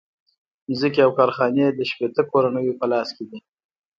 ځمکې او کارخانې د شپیته کورنیو په لاس کې دي